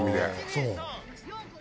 そう？